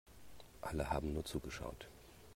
Alle haben nur zugeschaut.